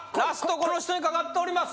この人に懸かっております